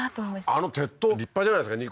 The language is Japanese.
あの鉄塔立派じゃないですか？